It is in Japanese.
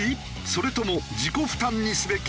それとも自己負担にすべき？